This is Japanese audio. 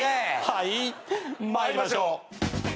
はい参りましょう。